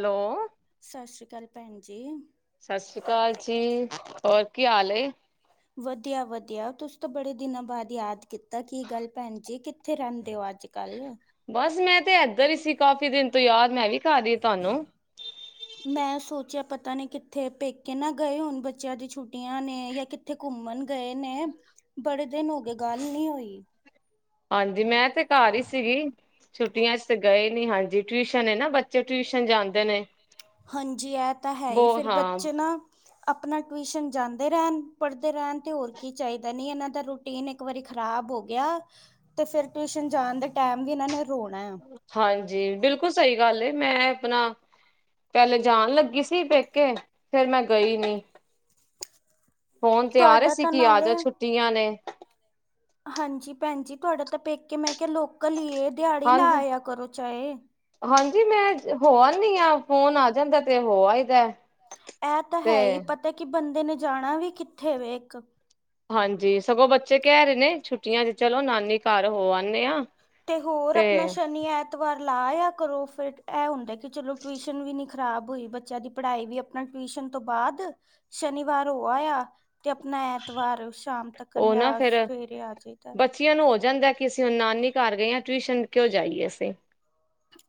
Hello. ਸਤਿ ਸ਼੍ਰੀ ਅਕਾਲ ਭੈਣ ਜੀ। ਸਤਿ ਸ਼੍ਰੀ ਅਕਾਲ ਜੀ ਹੋਰ ਕੀ ਹਾਲ ਏ। ਵਧੀਆ- ਵਧੀਆ ਤੁਸੀ ਤੇ ਬੜੇ ਦਿਨਾਂ ਬਾਅਦ ਯਾਦ ਕੀਤਾ, ਕੀ ਗੱਲ ਭੈਣ ਜੀ ਕਿੱਥੇ ਰੈਂਦੇ ਓ, ਅੱਜ-ਕੱਲ? ਬਸ ਮੈਂ ਤੇ ਏਧਰ ਹੀ ਸੀ, ਕਾਫੀ ਦਿਨ ਤੋਂ ਯਾਦ ਮੈਂ ਵੀ ਕਰਦੀ ਤੁਹਾਨੂੰ। ਮੈਂ ਸੋਚੇਆ ਪਤਾ ਨਈ ਕਿੱਥੇ, ਪੇਕੇ ਨਾ ਗਏ ਹੋਣ, ਬੱਚੇਆਂ ਦੀਆ ਛੁੱਟੀਆਂ ਨੇ ਜਾਂ ਕਿ ਕਿਥੇ ਘੁੰਮਣ ਗਏ ਨੇ, ਬੜੇ ਦਿਨ ਹੋ ਗਏ ਗੱਲ ਨੀ ਹੋਈ। ਹਾਂਜੀ ਮੈਂ ਤੇ ਘਰ ਈ ਸੀਗੀ। ਛੁੱਟੀਆਂ ਚ ਤੇ ਗਏ ਨੀ ਹਾਂਜੀ, ਟਿਊਸ਼ਨ ਏ ਨਾ ਬੱਚੇ ਟਿਊਸ਼ਨ ਜਾਂਦੇ ਨੇ। ਹਾਂਜੀ ਐ ਤਾਂ ਹੈ ਈ, ਬਹੁ ਫਿਰ ਹਾਂ ਬੱਚੇ ਨਾ ਆਪਣਾ ਟਿਊਸ਼ਨ ਜਾਂਦੇ ਰੈਣ, ਪੜ੍ਹਦੇ ਰੈਣ ਤੇ ਹੋਰ ਕੀ ਚਾਈਦਾ, ਨਈ ਏਨਾਂ ਦਾ ਰੋ ਰੁਟੀਨ ਇੱਕ ਵਾਰੀ ਖ਼ਰਾਬ ਹੋ ਗੇਆ, ਤੇ ਫਿਰ ਟਿਊਸ਼ਨ ਜਾਣ ਦੇ ਟਾਈਮ ਵੀ ਏਹਨਾਂ ਨੇ ਰੋਣਾ ਆ। ਹਾਂਜੀ, ਬਿਲਕੁਲ ਸੵਈ ਗੱਲ ਏ ਮੈਂ ਆਪਣਾ ਪੇਲੇ ਮੈ ਜਾਣ ਲੱਗੀ ਸੀ ਪੇਕੇ, ਫੇਰ ਮੈਂ ਗਈ ਨੀ। ਫੋਨ ਤੇ ਆ ਰਹੇ ਤੁਹਾਡਾ ਸੀ ਤਾਂ ਕੀ, ਆ, ਜਾ ਨਾਲੇ ਛੁੱਟੀਆਂ ਨੇ। ਹਾਂਜੀ ਭੈਣ ਜੀ ਤੁਹਾਡਾ ਤਾਂ ਪੇਕੇ ਮੈਂ ਕਿਹਾ ਲੋਕਲ ਹੀ ਇਹ ਦਿਹਾੜੀ ਲਾ ਹਾਂਜੀ ਆਇਆ ਕਰੋ ਚਾਹੇ ਹਾਂਜੀ ਮੈਂ ਹੋ ਆਦੀ ਹਾਂ ਫੋਨ ਆ ਜਾਂਦਾ ਹੈ ਤੇ ਹੋ ਆਦੀ ਹਾ ਇਹ ਤਾਂ ਹੈ ਹੀ ਪਤਾ ਕਿ ਬੰਦੇ ਨੇ ਜਾਣਾ ਵੀ ਕਿੱਥੇ ਵ ਇੱਕ ਹਾਂਜੀ ਸਗੋਂ ਬੱਚੇ ਕਹਿ ਰਹੇ ਨੇ ਛੁੱਟੀਆਂ, ਚਲੋ ਨਾਨੀ ਘਰ ਹੋ ਆਂਦੇ ਹਾਂ ਤੇ ਹੋਰ ਆਪਣਾ ਸ਼ਨੀ ਐਤਵਾਰ ਲਾ ਆਇਆ ਕਰੋ, ਫਿਰ ਇਹ ਹੁੰਦੇ। ਕਿ ਚਲੋ ਟਿਊਸ਼ਨ ਵੀ ਨੀ ਖ਼ਰਾਬ ਹੋਈ, ਬੱਚਿਆਂ ਦੀ ਪੜ੍ਹਾਈ ਵੀ ਆਪਣਾ ਟਿਊਸ਼ਨ ਤੋਂ ਬਾਅਦ ਸ਼ਨੀਵਾਰ ਹੋ ਆਇਆ ਤੇ ਆਪਣਾ ਐਤਵਾਰ ਸ਼ਾਮ ਤੱਕ ਉਹ ਜਾਂ ਨਾ ਫੇਰ ਸਵੇਰੇ ਆ ਬੱਚਿਆਂ ਜਾਈਦਾ ਬੱਚਿਆਂ ਨੂੰ ਹੋ ਜਾਂਦਾ, ਕਿ ਅਸੀਂ ਨਾਨੀ ਘਰ ਗਏ ਹਾਂ ਟਿਊਸ਼ਨ ਕਿਉਂ ਜਾਈਏ ਅਸੀਂ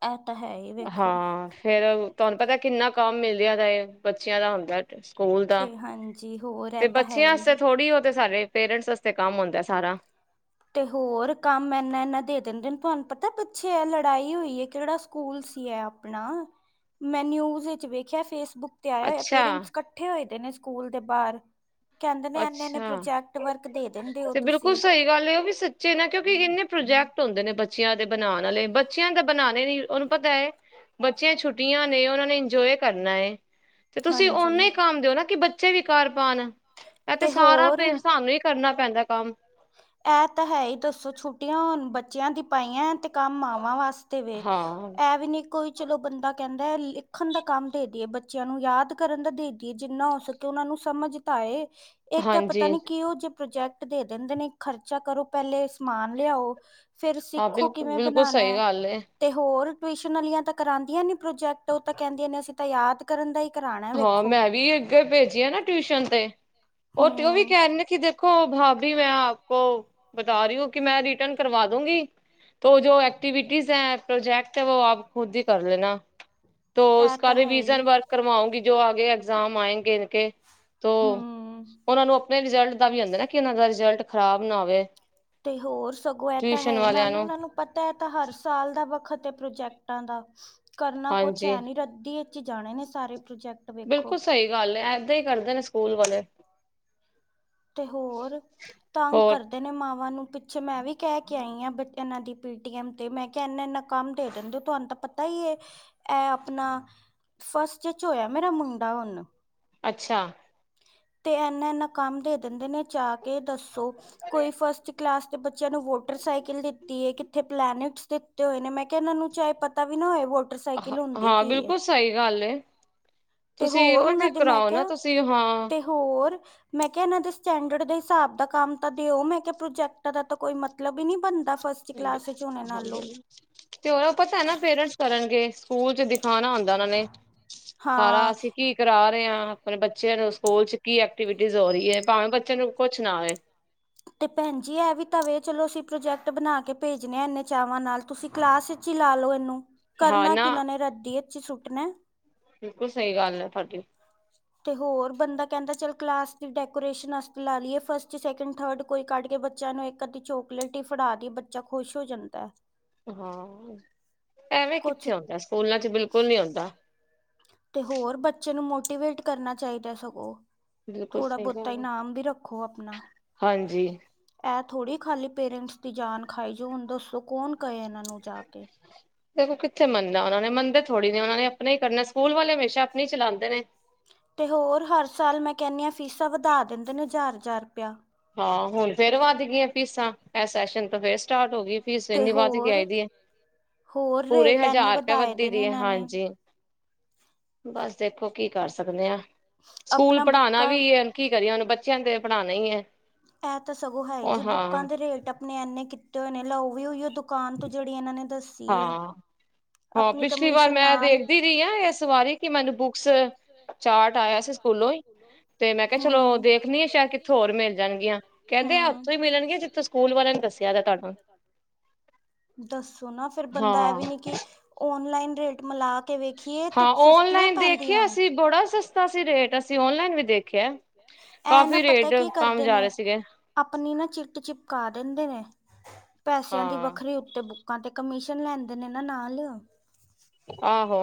ਇਹ ਤਾਂ ਹੈ ਇਹ ਹਾਂ ਫੇਰ ਤੁਹਾਨੂੰ ਪਤਾ ਕਿੰਨਾ ਕੰਮ ਮਿਲਦਾ ਹੁੰਦਾ, ਇਹ ਬੱਚਿਆਂ ਦਾ ਹੁੰਦਾ ਸਕੂਲ ਦਾ ਤੇ ਹਾਂਜੀ ਹੋਰ ਇਹ ਤੇ ਤਾਂ ਹੈ ਬੱਚਿਆਂ ਹੀ ਅਤੇ ਥੋੜ੍ਹੀ ਉਹ ਤੇ ਸਾਰੇ ਪੇਰੈਂਟਸ ਵਾਸਤੇ ਕੰਮ ਹੁੰਦਾ ਸਾਰਾ ਤੇ ਹੋਰ ਕੰਮ ਇਨਾ- ਇਨਾ ਦੇ ਦਿੰਦੇ ਨੇ ਤੁਹਾਨੂੰ ਪਤਾ ਪਿੱਛੇ ਹੈ ਲੜਾਈ ਹੋਈ ਹੈ ਕਿਹੜਾ ਸਕੂਲ ਸੀ ਹੈ ਆਪਣਾ ਮੈਂ ਨਿਊਜ ਵਿੱਚ ਵੇਖਿਆ ਫੇਸਬੁੱਕ। ਤੇ ਆਇਆ ਹੋਆ, ਅੱਛਾ ਪੇਰੈਂਟਸ ਇਕੱਠੇ ਹੋਏਦੇ ਨੇ ਸਕੂਲ ਦੇ ਬਾਹਰ। ਕਹਿੰਦੇ ਨੇ ਇਨੇ -ਇਨੇ, ਅੱਛਾ ਪ੍ਰਾਜੈਕਟ ਵਰਕ ਦੇ ਦਿੰਦੇ ਹੋ ਤੇ ਬਿਲਕੁਲ ਤੁਸੀਂ। ਸਹੀ ਗੱਲ ਉਹ ਵੀ ਸੱਚੇ ਨਾ, ਕਿਉਂਕਿ ਇੰਨੇ ਪ੍ਰੋਜੈਕਟ ਹੁੰਦੇ ਨੇ ਬੱਚਿਆਂ ਦੇ ਬਣਾਉਣ, ਵਾਲੇ ਬੱਚਿਆਂ ਤਾਂ ਬਣਾਉਣੇ ਨੀ ਉਹਨੂੰ ਪਤਾ ਹੈ, ਬੱਚਿਆਂ ਛੁੱਟੀਆਂ ਨੇ ਉਹਨਾਂ ਨੇ ਇੰਜੋਏ ਕਰਨਾ ਹੈ। ਤੇ ਤੁਸੀਂ ਓਨੇ ਹਾਂਜੀ ਹੀ ਕੰਮ ਦਿਓ ਨਾ, ਕਿ ਬੱਚੇ ਵੀ ਕਰ ਪਾਉਣ। ਇਹ ਤੇ ਸਾਰਾ, ਹਿਸਾਬ ਨਾਲ ਹੀ ਕਰਨਾ ਪੈਂਦਾ ਕੰਮ। ਇਹ ਤਾਂ ਹੈ ਹੀ ਦੱਸੋ ਛੁੱਟੀਆਂ, ਹੁਣ ਬੱਚਿਆਂ ਦੀ ਪਾਈਆਂ ਤੇ ਕੰਮ ਮਾਵਾਂ ਵਾਸਤੇ। ਵ ਹਾਂ ਐ ਵੀ ਨਹੀਂ ਕੋਈ। ਚਲੋ ਬੰਦਾ ਕਹਿੰਦਾ ਹੈ, ਲਿਖਣ ਦਾ ਕੰਮ ਦੇ ਦੇਈਏ, ਬੱਚਿਆਂ ਨੂੰ ਯਾਦ ਕਰਨ ਦਾ ਦੇ ਦੀਈਏ ਜਿੰਨਾ ਹੋ। ਕਿ ਉਹਨਾਂ ਨੂੰ ਸਮਝ ਤਾਂ ਆਈ ਇੱਕ ਹੈ ਹਾਂਜੀ ਪਤਾ ਨੀ ਕਿ ਉਹ ਜੇ ਪ੍ਰੋਜੈਕਟ ਦੇ ਦਿੰਦੇ ਨੇ, ਖਰਚਾ ਕਰੋ ਪਹਿਲੇ ਸਮਾਨ ਲਿਆਓ। ਫਿਰ ਹਾਂ ਸਿੱਖੋ ਬਿਲਕੁਲ ਕਿਵੇਂ ਬਿਲਕੁਲ ਸਹੀ ਬਣਾਉਣਾ ਹੈ। ਗੱਲ ਤੇ ਹੋਰ ਟਿਊਸ਼ਨ ਵਾਲੀਆਂ ਤਾਂ ਕਰਾਉਦੀਆਂ ਨੀ, ਪ੍ਰੋਜੈਕਟ ਉਹ ਤਾਂ ਕਹਿੰਦੀਆਂ ਨੇ, ਅਸੀਂ ਤਾਂ ਯਾਦ ਕਰਨ ਦਾ ਹੀ ਕਰਾਉਣਾ। ਹੈ, ਹਾਂ ਵੇਖੋ ਮੈਂ ਵੀ ਅੱਗੇ ਭੇਜੀਆਂ, ਨਾ ਟਿਊਸ਼ਨ ਤੇ ਉਹ ਤੇ ਉਹ ਵੀ ਹੂੰ ਕਹਿ ਰਹੀ ਕਿ। ਦੇਖੋ ਭਾਭੀ ਮੈਂ ਆਪ ਕੋ ਬਤਾ ਰਹੀ ਹ ਕਿ, ਮੈਂ ਰਿਟਰਨ ਕਰਵਾ ਦੂੰਗੀ। ਜੋ ਐਕਟੀਿਵਿਟੀਜ਼ ਹੈ ਪ੍ਰੋਜੈਕਟ ਹੈ, ਉਹ ਆਪ ਖੁਦ ਹੀ ਕਰ ਲੈਣਾ। ਉਸ ਇਹ ਤਾਂ ਹੈ ਹੀ ਰਿਵਿਜ਼ਨ ਵਰਕ ਕਰਵਾਉਂਗੀ ਜੋ ਆਗੇ, ਐਗਜ਼ਾਮ ਆਏਂਗੇੇ ਇਨ ਕੇ ਤ ਹੂੰ ਉਹਨਾਂ ਨੂੰ ਆਪਣੇ ਰਿਜ਼ਲਟ ਦਾ ਵੀ ਆਉਂਦਾ ਨਾ, ਕਿ ਉਹਨਾਂ ਦਾ ਰਿਜਲਟ ਖ਼ਰਾਬ ਨਾ ਹੋਵੇ। ਤੇ ਹੋਰ ਸਗੋਂ ਇਹ ਤਾਂ ਟਿਊਸ਼ਨ ਹੈ, ਵਾਲਿਆਂ ਨਾਲ ਉਹਨਾਂ ਨੂੰ ਪਤਾ ਹੈ ਤਾਂ ਹਰ ਸਾਲ ਦਾ ਵੱਖਤ, ਪ੍ਰੋਜੈਕਟਾਂ ਦਾ ਕਰਨਾ ਕੁਛ ਹਾਂਜੀ ਹੈ ਨੀ ਰੱਦੀ ਵਿੱਚ ਜਾਣੇ ਨੇ ਸਾਰੇ ਪ੍ਰੋਜੈਕਟ। ਵੇਖੋ ਬਿਲਕੁਲ ਸਹੀ ਗੱਲ ਹੈ, ਏਦਾਂ ਹੀ ਕਰਦੇ ਨੇ ਸਕੂਲ ਵਾਲੇ। ਤੇ ਹੋਰ ਤੰਗ ਹੋਰ ਕਰਦੇ ਨੇ ਮਾਵਾਂ ਨੂੰ ਪਿੱਛੇ, ਮੈਂ ਵੀ ਕਹਿ ਕੇ ਆਈ ਹਾਂ ਬੱਚਿਆਂ ਇਹਨਾਂ ਦੀ ਪੇਟੀ ਐਮ ਤੇ ਮੈਂ ਕਿਹਾ, ਇਨਾ ਇੰਨਾ ਕੰਮ ਦੇ ਦਿੰਦੇ ਤੁਹਾਨੂੰ ਤਾਂ ਪਤਾ ਹੀ ਹੈ। ਇਹ ਆਪਣਾ ਫਸਟ ਚ, ਹੋਇਆ ਮੇਰਾ ਮੁੰਡਾ ਹੁਣ ਅੱਛਾ। ਤੇ ਇਨਾ ਇੰਨਾ ਕੰਮ ਦੇ ਦਿੰਦੇ ਨੇ, ਜਾ ਕੇ ਦੱਸੋ ਕੋਈ ਫਸਟ। ਕਲਾਸ ਤੇ ਬੱਚਿਆਂ ਨੂੰ ਮੋਟਰਸਾਈਕਲ ਦਿੱਤੀ ਹੈ ਕਿੱਥੇ। ਪਲੈਨਟਸ ਦਿੱਤੇ ਹੋਏ ਨੇ, ਮੈਂ ਕਿਹਾ ਇਹਨਾਂ ਨੂੰ ਚਾਹੇ ਪਤਾ ਵੀ ਨਾ ਹੋਏ ਹੋਈ। ਹ -ਹਾਂ, ਬਿਲਕੁਲ ਸਹੀ ਗੱਲ, ਤੇ ਤੁਸੀਂ ਹੋਰ ਉਹ ਉਹਨਾਂ ਜੇ ਦੇ ਕਰਰ ਮੈਂ ਆਓ ਨਾ ਕਿਹਾ ਤੁਸੀਂ ਹਾਂ ਤੇ ਹੋਰ। ਮੈਂ ਕੇਆ, ਏਨਾਂ ਦੇ ਸਟੈਂਡਰਡ ਦੇ ਸਾਬ ਦਾ ਕੰਮ ਤਾਂ ਦੇਓ, ਮੈਂ ਕੇਆ ਪ੍ਰੋਜੈਕਟਾ ਦਾ ਤਾਂ ਕੋਈ ਮਤਲਬ ਈ ਨੀ ਬਣਦਾ ਫ ਫਸਟ ਕਲਾਸ 'ਚ ਹੋਣੇ ਨਾ ਲੋ। ਹਾਂ ਤੇ ਹੋਰ ਅਪਾ ਤਾ ਨਾ, ਪੇਰੈਂਟਸ ਕਰਨਗੇ ਸਕੂਲ ਚ ਦੀ। ਖਾਣਾ ਹੁੰਂਦਾ ਓਨਾਂ ਨੇ ਸਾਰਾ, ਹਾਂ ਅਸੀਂ ਕੀ। ਕਰਾ ਰੇ ਆਂ, ਆਪਣੇ ਬੱਚੇਆਂ ਨੂੰ ਸਕੂਲ ਚ ਕੀ ਐਕਟੀਵਿਟੀਸ ਹੋ ਰਈ ਏ, ਭਾਵੇਂ ਬੱਚੇ ਨੂੰ ਕੁਛ ਨਾ ਆਏ। ਤੇ ਭੈਣ ਜੀ, ੲੈ ਵੀ ਤਾਵੇ ਚਲੋ, ਅਸੀਂ ਪ੍ਰੋਜੈਕਟ ਬਣਾ ਕੇ ਭੇਜਣੇ ਏੰਨੇ ਚਾਵਾਂ ਨਾਲ। ਤੁਸੀਂ ਕਲਾਸ 'ਚ ਲਾ ਲੋ, ਏਨੂੰ ਹਾਂ ਕਰਨਾ ਨਾ ਕਿਨਾਂ ਨੇ, ਰੱਦੀ ਏਚ ਈ ਸੁੱਟਣਾ। ਬਿਲਕੁਲ, ਸਈ ਗੱਲ ੲੈ ਤੁਹਾਡੀ। ਤੇ ਹੋਰ ਬੰਦਾ ਕੈੰਦਾ, ਚੱਲ ਕਲਾਸ ਦੀ ਡੈਕੋਰੇਸ਼ਨ ਆਸਤੇ ਲਾ ਲਿਏ ਫਸਟ, ਸੈਕਿੰਡ, ਥਰਡ। ਕੋਈ ਕੱਢ ਕੇ ਬੱਚੇਆਂ ਨੂੰ ਏਕ-ਅੱਧੀ ਚੋਕਲੇਟ ਈ ਫੜਾ ਦੀ, ਬੱਚਾ ਖੁਸ਼ ਹੋ ਜਾਂਦਾ। ਹਾਂ ਐਵੇਂ ਕੁਛ ਕਿੱਥੇ ਆਉਂਦਾ, ਸੂਲਾਂ 'ਚ ਬਿਲਕੁਲ ਨੀ ਆਉਂਦਾ। ਤੇ ਹੋਰ ਬੱਚੇ ਨੂੰ ਮੋਟੀਵੇਟ ਕਰਨਾ, ਚਾਈਦਾ ਸਗੋਂ। ਬਿਲਕੁਲ ਥੋੜ੍ਹਾ ਸਹੀ ਬੋਤਾ ਗੱਲ ਹੈ ਇਨਾਮ ਵੀ ਰੱਖੋ ਆਪਣਾ। ਹਾਂਜੀ। ਐ ਥੋੜ੍ਹੀ ਖਾਲੀ ਪੇਰੈਂਟਸ ਦੀ ਜਾਨ ਖਾਈ ਜੋ, ਹੁਣ ਦੱਸੋ ਕੌਣ ਕਏ ਏਨਾਂ ਨੂੰ ਜਾ ਕੇ। ਫੇਰ ਓ ਕਿੱਥੇ ਮੰਨਾ, ਓਨਾ ਨੇ ਮੰਨਦੇ, ਥੋੜੀ ਨੇ, ਓਣਾ ਨੇ ਆਪਣਾ ਈ ਕਰਨਾ, ਸਕੂਲ ਵਾਲੇ ਹਮੇਸ਼ਾ ਆਪਣੀ ਚਲਾਦੇ ਨੇ। ਤੇ ਹੋਰ ਹੱਰ ਸਾਲ ਮੈਂ ਕੈਣੀ ਆਂ, ਫੀਸਾਂ ਵਧਾ ਦਿੰਦੇ ਨੇ ਜ਼ਾਰ-ਜ਼ਾਰ ਰਪੇਆ। ਹਾਂ, ਹੁਲ ਫੇਰ ਵੱਧ ਗਿਆ ਫੀਸਾਂ, ੲੈਸ ਸੈਸ਼ਨ ਤੋ ਫੇਰ ਸਟਾਟ ਹੋ ਗੀ। ਫੀਸ ਤੇ ਏੰਨੀ ਵੱਧ ਕੇ ਹੋਰ ਆਈ ਦੀ ਏ, ਹੋਰ ਪੂਰੇ ਰੇਟ ਇੰਨੇ ਹਜ਼ਾਰ ਰੁਪੇ ਵਧਾਏ ਵੱਧੀ ਦੇ ਦੀ ਨੇ ਏ, ਇਹਨਾਂ ਨੇ ਹਾਂਜੀ। ਬਾਸ ਦੇਖੋ, ਕੀ ਕੱਰ ਸਕਦੇ ਆ। ਸਕੂਲ ਆਪਣਾ ਪੜਾਣਾ ਬੁੱਕਾਂ ਵੀ ਏ। ਕੀ ਕਰੀਏ ਹੋਣ, ਬੱਚੇਆਂ ਨ ਤੇ ਪੜਾਣਾ ਈ ਏ। ਐ ਤਾ ਸਗੋ ਹੈ ਈ ਜੇ, ਬੁੱਕਾਂ ਦੇ ਰੇਟ ਅਪਣੇ ਐਨੇ ਕੀਤੇ ਹੋਏ ਨੇ, ਲੋਵੀ ਯੂ ਦੁ ਕੱਨ ਤੋਂ ਜੇੜੀ, ਏਨਾ ਨੇ ਦਸ। ਹਾਂ-ਹਾਂ, ਪਿਛਲੀ ਵਾਰ ਮੈਂ ਨਾਲ ਵੇਖਦੀ ਰਈ ਆਂ, ਏਸ ਵਾਰੀ ਕੇ ਮੈਨੂੰ ਬੁੱਕਸ। ਚਾਟ ਆਯਾ ਸੀ ਸਕੂਲੋਂ ਈ, ਤੇ ਮੈਂ ਕੇਆ ਚਲੋ ਦੇਖਣੀ ਆ, ਸ਼ੈਦ ਕਿੱਥੋਂ ਹੋਰ ਮੇਲ ਜਾਣਗੀਆ, ਕੈੰਦੇ ਆ ਉੱਥੋਂ ਈ ਕਹਿੰਦੇ ਮਿਲਣਗੀਆਂ, ਜਿੱਥੋਂ ਸਕੂਲ ਵਾਲੇਆਂ ਨੇ ਦੱਸੇਆ ਵੈ ਤਾਨੂੰ। ਦੱਸੋ ਨਾ ਫੇਰ, ਬੰਦਾ ਐ ਹਾਂ ਵੀ ਨੀ ਕਿ ਓਨਲਾਈਨ ਰੇਟ ਮਲਾ ਕੇ ਵੇਖੀਏ। ਤੇ ਹਾਂ, ਸਸਤੀਆਂ ਓਨਲਾਈਨ ਪੈਂਦੀਆਂ ਦੇਖੇਆ ਏ ਸੀ, ਬੜਾ ਸਸਤਾ ਸੀ ਰੇਟ, ਅਸੀਂ ਓਨਲਾਈਨ ਵੀ ਦੇਖੇਆ। ਇਹ ਨਾ ਕਾਫ਼ੀ ਪਤਾ ਰੇਟ ਕੀ ਕੱਮ ਕਰਦੇ ਜਾ ਰੇ ਨੇ ਸੀਗੇ। ਆਪਣੀ ਨਾ, ਚਿੱਟ ਚਿਪਕਾ ਦਿੰਦੇ ਨੇ, ਪੈਸਿਆਂ ਦੀ ਹਾਂ ਵੱਖਰੀ ਉੱਤੇ ਬੁ। ਕਾ ਤੇ, ਕਮਿਸ਼ਨ ਲੈਂਦੇ ਨੇ ਨਾ ਨਾਲ। ਆਹੋ।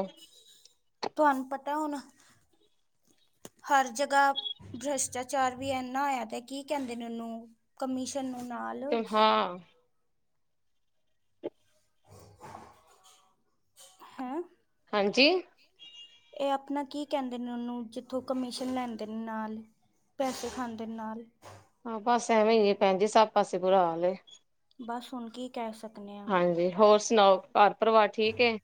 ਤੁਵਾਨੂੰ, ਪਤਾ ਹੋਣਾ। ਹਰ ਜਗਾ ਭਿ੍ਸ਼ਟਾਚਾਰ ਵੀ ਏਨਾਂ ਹੋਏਆ ਦਾ, ਕੀ ਕੈਂਦੇ ਨੇਂ ਓਨੂੰ? ਕਮਿਸ਼ਨ ਨੂੰ ਨਾਲ ਸ ਆ। [inaudible] ਹੈ। ਹਾਂਜੀ। ਏ ਆਪਣਾ ਕੀ ਕੈੰਦੇ ਨੇ ਓਨੂੰ, ਜਿੱਥੋਂ ਕਮਿਸ਼ਨ ਲੈਂਦੇ ਨਾਲ? ਪੈਸੇ ਖਾਂਦੇ ਨਾਲ। ਹਾਂ, ਬਸ ਐਵੇਂ ਈ ਏ ਭੈਣ ਜੀ, ਸਭ ਪਾਸੇ ਬੁਰਾ ਹਾਲ। ਬੱਸ ਹੁਣ ਕੀ ਕੈ ਸਕਨੇ ਆ। ਹਾਂਜੀ ਹੋਰ ਸੁਣਾਓ, ਘਾਰ ਪਰਵਾਰ ਠੀਕ ਏ?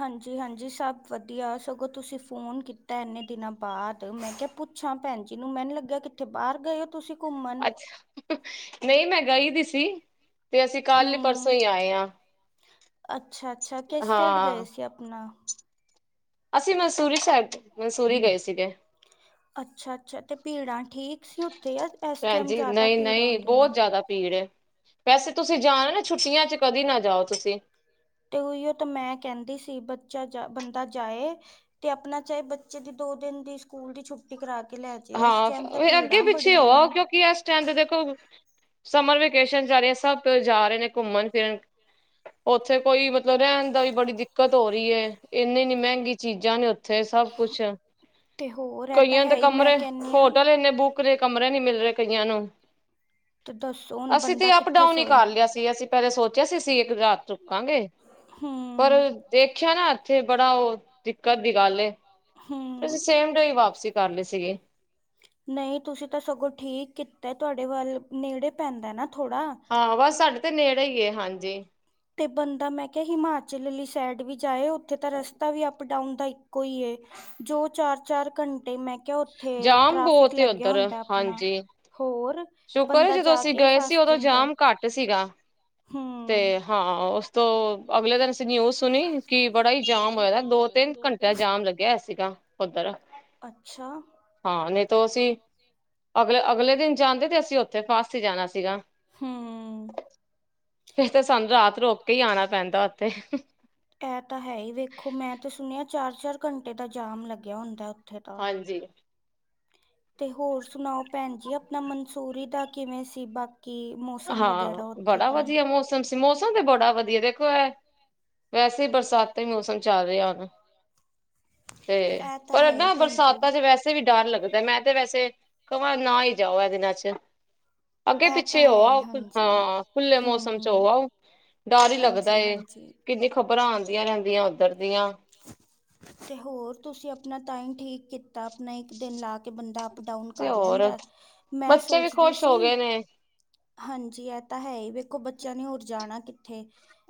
ਹਾਂਜੀ-ਹਾਂਜੀ, ਸਭ ਵਧੀਆ। ਸਗੋਂ ਤੁਸੀਂ ਫੋਨ ਕੀਤਾ ਐਨੇ ਦਿਨਾਂ ਬਾਦਅ, ਮੈਂ ਕੇਹਾ ਪੁ। ਪੁਛਾਂ ਭੈਣ ਜੀ ਨੂੰ ਮੈਨੂੰ ਲੱਗਿਆ, ਕਿੱਥੇ ਬਾਹਰ ਗਏ ਹੋ ਤੁਸੀਂ ਘੁੰਮਣ? ਨਹੀਂ, ਮੈਂ ਗਈ ਦੀ ਸੀ। ਤੇ ਅਸੀਂ ਕੱਲ ਪਰਸੋਂ ਹੂੰ ਈ ਆਏ ਹ ਹਾਂ। ਕੈ ਆਪਣਾ? ਅਸੀਂ ਮਨਸੂਰੀ ਸਾਬ ਮਨਸੂਰੀ ਗਏ ਸੀਗੇ। ਅੱਛਾ ਅੱਛਾ, ਤੇ ਭੀੜਾਂ ਠੀਕ ਸੀ ਉੱਥੇ ਆ? ਇਸ ਟਾਈਮ ਜ਼ਿਆਦਾ ਭੀੜਾਂ ਹੁੰਦੀਆਂ? ਰਾ, ਭੀੜ। ਵੈਸੇ ਤੁਸੀਂ ਜਾਣਾ ਨਾ, ਛੁੱਟੀਆਂ 'ਚ ਕਦੀ ਨਾ ਜਾਓ ਤੁਸੀਂ। ਤੇ ਉਹੀਓ ਤਾਂ ਮੈਂ ਕਹਿੰਦੀ ਸੀ, ਬੱਚਾ ਜਾ ਬੰਦਾ ਜਾਏ। ਤੇ ਆਪਣਾ ਚਾਹੇ ਬੱਚੇ ਦੀ ਦੋ ਦਿਨ ਦੀ ਸਕੂਲ ਦੀ ਛੁੱਟੀ ਕਰਾ। ਕੇ ਲੈ ਜੇ ਇਸ ਹਾਂ ਟਾਈਮ ਤਾਂ ਅੱਗੇ ਭੀੜਾਂ ਪਿੱਛੇ ਬੜੀਆਂ ਹੋ ਨੇ। ਆਓ ਕਿਉਂਕਿ ਏਸ ਟੈਮ ਦੇਖੋ ਸਮਰ ਵੇਕੇਸ਼ਨ ਜਾ ਰਹੀ, ਸਭ ਤੋਂ ਜਾ ਰਹੇ ਨੇ ਘੁੰਮਣ ਫਿਰਨ। ਉੱਥੇ ਕੋਈ ਮਤਲਬ ਰਹਿਣ ਦਾ ਵੀ ਬੜੀ ਦਿੱਕਤ ਹੋ ਰਹੀ ਹੈ, ਇੰਨੀ ਇੰਨੀਮਹਿੰਗੀ ਚੀਜ਼। ਕਿਆ ਨੀ ਏਥੇ, ਸਭ ਕੁਸ ਤੇ ਹੋਰ ਇਹ ਤਾਂ ਕਈਆਂ ਹੈ ਦੇ ਹੀ ਮੈਂ ਕਮਰੇ ਕਹਿੰਨੀ ਆ ਹੋਟਲ ਏਨੇ ਬੁਕ ਰੇ, ਕਮਰੇ ਨੀ ਮਿਲ ਰਹੇ ਕਈਆਂ ਨੂੰ। ਤੇ ਦੱਸੋ ਹੁਣ ਅਸੀਂ ਤਾਂ ਬੰਦਾ ਕਿੱਥੇ ਅਪ-ਡਾਊਨ ਈ ਸੋਏ ਕਰ ਲਿਆ ਸੀ ਅਸੀਂ। ਪੈ, ਲੇ ਸੋਚਿਆ ਸੀ ਅਸੀਂ ਇੱਕ ਰਾਤ ਰੁਕਾਂਗੇ। ਹੁਂ ਪਰ ਦੇਖਿਆ ਨਾ, ਇੱਥੇ ਬੜਾ ਉਹ ਦਿੱਕਤ ਦੀ ਗੱਲ ਏ। ਫੇਰ ਅਸੀਂ ਹੂੰ। ਸੇਮ ਡੇ ਈ ਵਾਪਸੀ ਕਰ ਲਈ ਸੀਗੇ। ਨਹੀਂ, ਤੁਸੀਂ ਤਾਂ ਸਗੋਂ ਠੀਕ ਕੀਤਾ। ਤੁਹਾਡੇ ਵੱਲ ਨੇੜੇ ਪੈਂਦਾ ਨਾ ਥੋੜ੍ਹਾ? ਹਾਂ, ਵਸ ਸਾਡੇ ਤੇ ਨੇੜੇ ਹੀ ਹੈ ਹਾਂਜੀ। ਤੇ ਬੰਦਾ ਮੈਂ ਕਿਹਾ ਹਿਮਾਚਲ ਆਲੀ ਸਾਈਡ ਵੀ ਜਾਏ ਉੱਥੇ ਤਾਂ ਰਸਤਾ ਵੀ। ਅਪ ਡਾਊਨ ਦਾ ਇੱਕੋ ਹੀ, ਏ ਜੋ ਚਾਰ-ਚਾਰ ਘੰਟੇ ਮ। ਕਿ ਆ ਉੱਥੇ ਜਾਮ ਟ੍ਰੈਫਿਕ ਬਹੁਤ ਏ ਲੱਗਿਆ ਹੁੰਦਾ ਆਪਣਾ ਹੋਰ? ਸ਼ੁਕਰਏ ਬੰਦਾ ਜਦੋਂ ਜਾ ਅਸੀਂ ਕੇ ਹੀ ਗਏ ਸੀ ਫਸ ਉਦੋਂ ਜਾਂਦਾ ਜਾਮ ਘੱਟ ਸੀਗਾ, ਤੇ ਹੂੰ ਹਾਂ ਉਸ ਅਗਲੇ ਦਿਨ ਂ ਨਿਊਜ਼ ਸੁਣੀ ਕਿ ਬੜਾ ਹੀ ਜਾਮ ਹੋਇਆ ਦੋ ਤਿੰਨ ਘੰਟਿਆਂ ਦਾ ਜਾਮ ਲੱਗਿਆ ਸੀਗਾ ਉੱਧਰ ਅੱਛਾ ਹਾਂ ਨਹੀਂ ਤਾਂ ਅਸੀਂ ਅਗਲੇ ਅਗਲੇ ਦਿਨ ਰੈਂਦੇ ਤੇ ਅਸੀਂ ਉੱਥੇ ਫਸ ਹੀ ਜਾਣਾ ਸੀਗਾ ਹੂੰ ਫੇਿਰ ਤਾਂ ਸਾਨੂੰ ਰਾਤ ਰੁਕ ਕੇ ਹੀ ਆਉਣਾ ਪੈਂਦਾ ਉੱਥੇ ਐਹ ਤਾਂ ਹੈ ਹੀ ਵੇਖੋ ਮੈਂ ਤਾਂ ਸੁਣਿਆ ਚਾਰ ਚਾਰ ਘੰਟੇ ਦਾ ਜਾਮ ਲੱਗਿਆ ਹੁੰਦਾ ਤਾਂ ਹਾਂਜੀ ਤੇ ਹੋਰ ਸੁਣਾਓ ਭੈਣ ਜੀ ਆਪਣਾ ਮਨਸੂਰੀ ਦਾ ਕਿਵੇਂ ਸੀ ਬਾਕ ਕਿ ਮੌਸਮ ਹਾਂ ਵਗੈਰਾ ਉੱਥੇ ਬੜਾ ਦਾ ਵਧੀਆ ਮੌਸਮ ਸੀ ਮੌਸਮ ਤੇ ਬੜਾ ਵਧੀਆ ਦੇਖੋ ਇਹ ਵੈਸੇ ਹੀ ਬਰਸਾਤ ਮੌਸਮ ਚੱਲ ਰਿਹਾ ਹੁਨ ਤੇ ਇਹ ਤਾਂ ਪਰ ਹੈ ਹੀ ਏਦਾਂ ਭੈਣ ਜੀ ਬਰਸਾਤਾਂ ਚ ਵੈਸੇ ਵੀ ਡਰ ਲੱਗਦਾ ਮੈਂ ਤੇ ਵੈਸੇ ਕਵਾਂ ਨਾ ਹੀ ਜਾਓ ਇਹ ਦਿਨਾਂ ਚ ਅੱਗੇ ਇਹ ਤਾਂ ਪਿੱਛੇ ੇ ਹੋ ਹੈ ਹੀ ਆਓ ਹਾਂਜੀ ਹਾਂ ਖੁੱਲੇ ਮੌਸਮ ਚ ਹੂੰ ਹੋ ਆਓ ਡਰ ਹੀ ਲੱਗਦਾ ਹਾਂਜੀ ਹਾਂਜੀ ਕਿੰਨੀ ਖ਼ਬਰਾਂ ਆਉਂਦੀਆਂ ਰਹਿੰਦੀਆਂ ਉੱਧਰ ਦੀਆਂ ਤੇ ਹੋਰ ਤੁਸੀਂ ਆਪਣਾ ਟਾਈਮ ਠੀਕ ਕੀਤਾ ਆਪਣਾ ਇੱਕ ਦਿਨ ਲਾ ਕੇ ਬੰਦਾ ਅਪ ਡਾਊਨ ਤੇ ਕਰ ਹੋਰ ਲੈਂਦਾ ਮੈਂ ਬੱਚੇ ਵੀ ਸੋਚਦੀ ਖੁਸ਼ ਸੀ ਹੋ ਗਏ ਨੇ ਹਾਂਜੀ ਇਹ ਤਾਂ ਹੈ ਹੀ ਵੇਖੋ ਬੱਚਿਆਂ ਨੇ ਹੋਰ ਜਾਣਾ ਕਿੱਥੇ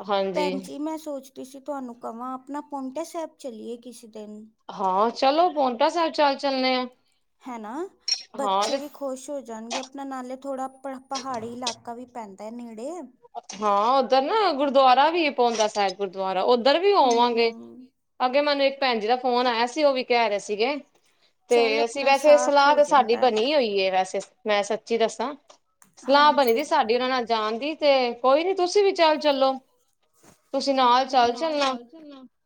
ਹਾਂਜੀ ਭੈਣ ਜੀ ਮੈਂ ਸੋਚ ਸੋਚਦੀ ਸੀ ਤੁਹਾਨੂੰ ਕਵਾ ਆਪਣਾ ਪੋਂਟਾ ਸਾਬ ਚੱਲੀਏ ਕਿਸੀ ਦਿਨ ਹਾਂ ਚਲੋ ਪੋਟਾ ਸਾਹਿਬ ਚੱਲ -ਚੱਲਣੇ ਆ ਹਨਾ ਹਾਂ ਤੇ ਬੱਚੇ ਖੁਸ਼ ਹੋ ਜਾਣਗੇ, ਆਪਣਾ ਨਾਲੇ ਥੋੜਾ ਪਹਾੜੀ ਇਲਾਕਾ ਵੀ ਪੈਂਦਾ ਹੈ ਨੇੜੇ ਹਾਂ ਉੱਧਰ ਨਾ ਗੁਰਦੁਆਰਾ ਵੀ ਪਾਉਂਦਾ ਸਾਹਿਬ ਗੁਰਦੁਆਰਾ ਉੱਧਰ ਵੀ ਆਵਾਂਗੇ। ਹੂੰ ਅੱਗੇ ਮੈਨੂੰ ਇੱਕ ਭੈਣ ਜੀ ਦਾ ਫ਼ੋਨ ਆਇਆ ਸੀ, ਉਹ ਵੀ ਕਹਿ ਰਹੇ ਸੀਗੇ। ਤੇ ਚੱਲ ਅਸੀਂ ਆਪਣਾ ਵੈਸੇ ਸਾਥ ਸਲਾ ਹੋ ਤੇ ਸਾਡੀ਼ ਜਾਂਦਾ ਹੈ। ਬਨੀ ਔਈ ਏ, ਵੈਸੇ ਮੈਂ ਸੱਚੀ ਦੱਸਾਂ। ਸਲਾ ਬਨੀ ਜੇ ਹਾਂਜੀ ਸਾਡੀ ਉਨਾਂ ਨਾਲ ਜਾਨ ਦੀ ਤੇ ਕੋਈ ਨੀ ਤੁਸੀਂ ਵੀ ਚੱਲ ਚੱਲੋ। ਤੁਸੀਂ ਨਾਲ ਚੱਲ ਚੱਲਨਾ। [unintelligible]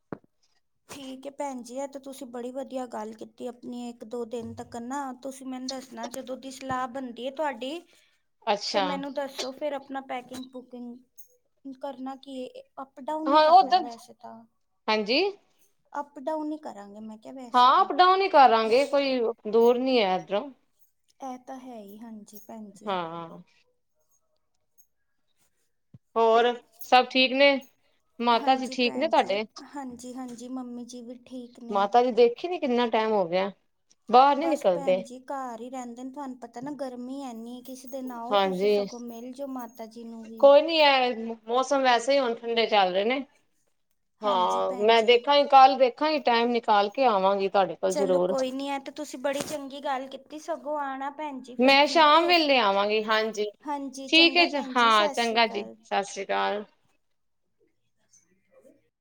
ਠੀਕ ਏ ਭੈਣ ਜੀ ਐ ਤੇ ਤੁਸੀਂ ਬੜੀ ਵਧੀਆ ਗਾੱਲ ਕੀਤੀ ਆਪਨੀ ਇੱਕ ਦੋ ਦਿਨ ਤੱਕ ਨਾ ਤੁਸੀਂ ਮੈਨੂੰ ਦੱਸਨਾ, ਜਦੋਂ ਦੀ ਸਲਾ ਬਨਦੀਏ ਤੁਆਡੀ। [inaudible] ਤੇ ਮੈਨੂੰ ਦੱਸੋ ਫਿਰ ਆਪਨਾ ਪੈਕਿੰਗ -ਪੁਕਿੰਗ, ਕਰਨਾ ਕੀ ਏ। ਅਪ ਡਾਊਨ ਨੀ ਹਾਂ ਕਰਨਾ ਐ ਉੱਧਰ ਵੈਸੇ ਤਾਂ, ਹਾਂਜੀ ਅਪ ਡਾਊਨ ਨੀ ਕਰਾਂਗੀ ਮੈਂ। ਕਿਹਾ ਵੈਸੇ ਹਾਂ ਤਾਂ ਅਪ-ਡਾਊਨ ਈ ਕਰਾਂਗੇ ਕੋਈ, ਦੂਰ ਨੀ ਐ ਐਦਰੋਂ। ਇਹ ਤਾਂ ਹੈ ਹੀ ਹਾਂਜੀ ਭੈਣ ਜੀ। ਹਾਂ। ਹੋਰ ਸਭ ਠੀਕ ਨੇ, ਮਾਤਾ ਜੀ ਹਾਂਜੀ ਠੀਕ ਨੇ ਭੈਣ ਜੀ ਤੁਆਡੇ? ਹਾਂਜੀ -ਹਾਂਜੀ ਮੰਮੀ ਜੀ ਵੀ ਠੀਕ ਨੇ ਮਾਤਾ ਜੀ ਦੇਖੀ ਨੀ ਕਿੰਨਾ ਟਾਈਮ ਹੋ ਗਿਆ। ਬਾਹਰ ਨੀ ਬਾਸ ਨਿਕਲਦੇ ਭੈਣ ਜੀ ਕਾਰ ਈ ਰੈਂਦੇ ਨੇ ਤੁਹਾਨੂੰ ਪਤਾ ਨਾ ਗਰਮੀ ਐਨੀ ਕਿਸੇ ਦਿਨ ਆਔ ਤੁਸੀਂ ਹਾਂਜੀ ਸਗੋਂ ਮਿਲ ਜੋ ਮਾਤਾ ਜੀ ਨੂੰ ਵੀ ਕੋਈ ਮੌਸਮ ਵੈਸੇ ਹੀ ਹੁਨ ਠੰਡੇ ਚੱਲ ਰਏ ਨੇ ਹਾਂਜੀ ਹਾਂ ਭੈਣ ਮੈਂ ਜੀ ਦੇਖਾਂ ਗਈ ਕਾਲ ਵੇਖਾਂਗੀ ਟਾਈਮ ਨਿਕਾਲ ਕੇ ਆਵਾਂਗੀ ਤੁਆਡੇ ਕੋਲ ਚਲੋ ਜ਼ਰੂਰ ਕੋਈ ਨੀ ਐ ਤੇ ਤੁਸੀਂ ਬੜੀ ਚੰਗੀ ਗਾੱਲ ਕੀਤੀ ਸਗੋਂ ਆਨਾ ਮੈਂ ਸ਼ਾਮ ਵੇਲੇ ਆਵਾਂਗੀ ਹਾਂਜੀ, ਹਾਂਜੀ ਠੀਕ ਹੈ ਚੰਗਾ ਜੀ ਭੈਣ ਹਾਂ ਸਤਿ ਸ਼੍ਰੀ ਚੰਗਾ ਜੀ। ਅਕਾਲ। ਸੱਤ ਸ਼੍ਰੀ ਅਕਾਲ ਜੀ। [inaudible]